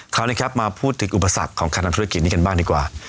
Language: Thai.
คราวเรามาพูดถึงอุปสักของข้างด้านธุรกิจนี้กันดีกว่า